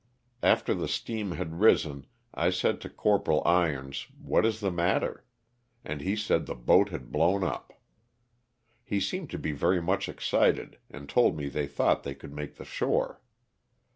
After the steam had risen I said to Corporal Irons what is the matter? and he said the boat had blown up. He seemed to bo very much excited, and told me they thought they could make the shore.